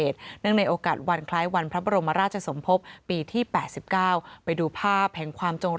ขอบคุณค่ะ